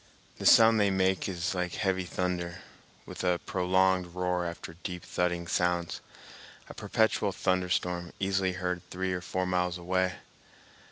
The sound they make is like heavy thunder, with a prolonged roar after deep thudding sounds—a perpetual thunderstorm easily heard three or four miles away.